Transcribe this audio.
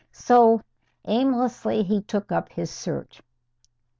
So, aimlessly, he took up his search.